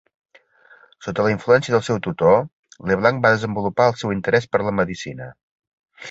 Sota la influència del seu tutor, Leblanc va desenvolupar el seu interès per la medicina.